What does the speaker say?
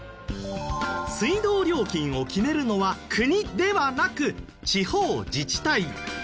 水道料金を決めるのは国ではなく地方自治体。